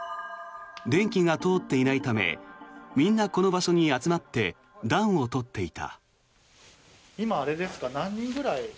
電気が通っていないためみんなこの場所に集まって暖を取っていた。